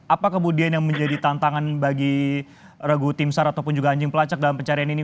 apa kemudian yang menjadi tantangan bagi regu timsar ataupun juga anjing pelacak dalam pencarian ini